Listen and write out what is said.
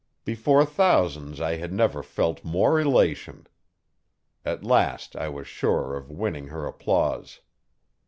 Before thousands I had never felt more elation. At last I was sure of winning her applause.